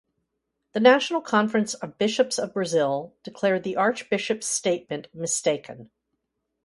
The National Conference of Bishops of Brazil declared the Archbishop's statement mistaken.